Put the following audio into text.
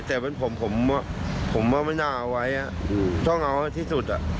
แต่ผมว่าไม่น่าเอาไว้อ่ะต้องเอาที่สุดอ่ะ